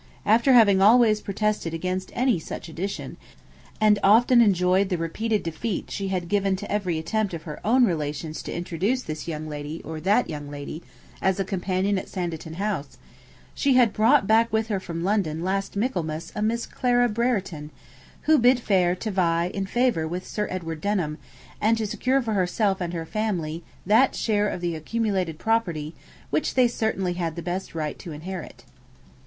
After having always protested against any such addition, and often enjoyed the repeated defeat she had given to every attempt of her own relations to introduce 'this young lady, or that young lady,' as a companion at Sanditon House, she had brought back with her from London last Michaelmas a Miss Clara Brereton, who bid fair to vie in favour with Sir Edward Denham, and to secure for herself and her family that share of the accumulated property which they had certainly the best right to inherit.'